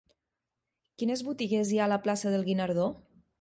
Quines botigues hi ha a la plaça del Guinardó?